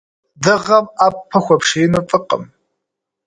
Дыгъэм ӏэпэ хуэпшиину фӏыкъым.